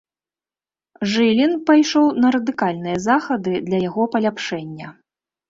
Жылін пайшоў на радыкальныя захады для яго паляпшэння.